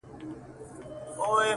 ورزش، سم خوراک